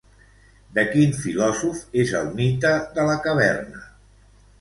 De quin filòsof és el mite de la caverna?